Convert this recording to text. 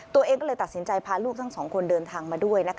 ตัวเองก็เลยตัดสินใจพาลูกทั้งสองคนเดินทางมาด้วย